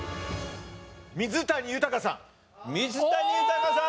水谷豊さん